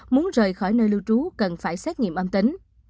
muốn rời khỏi nơi lưu trú cần phải xét nghiệm âm tính